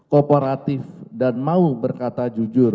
kooperatif dan mau berkata jujur